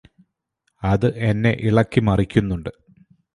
അത് എന്നെ ഇളക്കി മറിക്കുന്നുണ്ട്